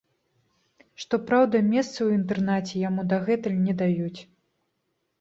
Што праўда, месца ў інтэрнаце яму дагэтуль не даюць.